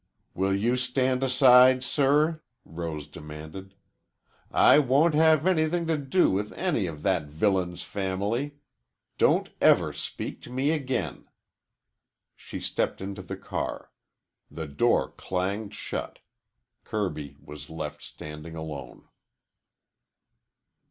"Will you stand aside, sir?" Rose demanded. "I won't have anything to do with any of that villain's family. Don't ever speak to me again." She stepped into the car. The door clanged shut. Kirby was left standing alone.